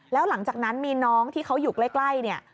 แล้วหลังจากนั้นมีน้องที่เขาอยู่ใกล้เนี่ย